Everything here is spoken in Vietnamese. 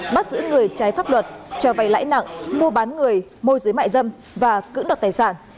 bắt giữ người trái pháp luật cho vay lãi nặng mua bán người môi giấy mại dâm và cứng đọc tài sản